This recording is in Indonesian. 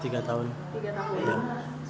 tiga tahun sudah dapat restu dari kedua orang